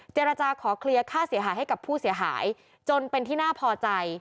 เจรจาขอเคลียร์ค่าเสียหายให้กับผู้เสียหายจนเป็นที่น่าพอใจ